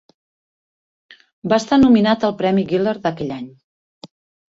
Va estar nominat al Premi Giller d'aquell any.